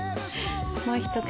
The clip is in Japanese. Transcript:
もう一口。